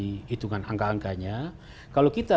hitungan angka angkanya kalau kita